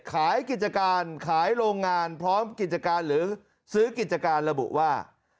กิจการขายโรงงานพร้อมกิจการหรือซื้อกิจการระบุว่า